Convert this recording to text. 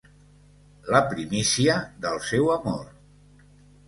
La primícia del seu amor.